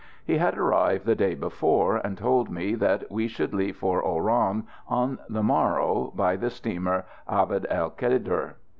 He had arrived the day before, and told me that we should leave for Oran on the morrow by the steamer Abd el Kader.